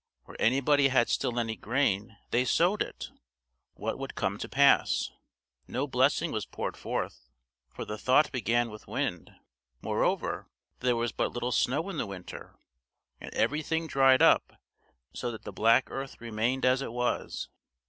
Where anybody had still any grain, they sowed it. What would come to pass? No blessing was poured forth, for the thought began with wind. Moreover, there was but little snow in the winter, and everything dried up so that the black earth remained as it was.